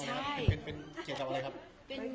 ทุติยังปิตพุทธธาเป็นที่พึ่ง